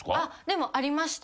でもありました。